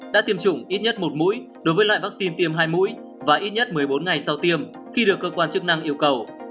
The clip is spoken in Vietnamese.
đã tiêm chủng ít nhất một mũi đối với loại vaccine tiêm hai mũi và ít nhất một mươi bốn ngày sau tiêm khi được cơ quan chức năng yêu cầu